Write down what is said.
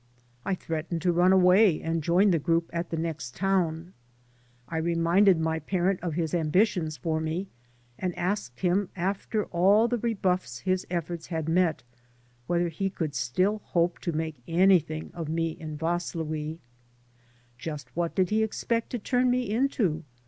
I threatened to run away and join the group at the next town. I reminded my parent of his anibitions for me, and asked 'hiih, after all the rebuffs his efforts had met, wheth^ he could sftill hope to make anything of me in Vaslui. Just what did he expect to turn me into?